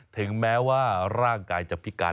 ถึงแม้ว่าร่างกายจะพิการ